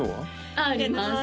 あります